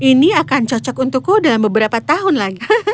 ini akan cocok untukku dalam beberapa tahun lagi